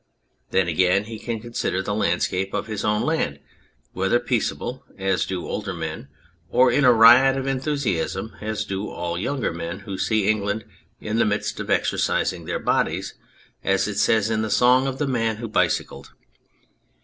Then, again, he can consider the landscapes of his own land, whether peaceably, as do older men, or in a riot of enthusiasm as do all younger men who see England in the midst of exercising their bodies, as it says in the Song of the Man who Bicycled